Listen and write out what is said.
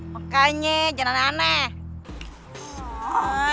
makanya jangan aneh aneh